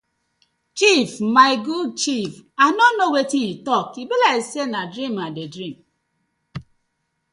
Chiefs my good chiefs I no kno wetin tok e bi like say na dream I dey dream.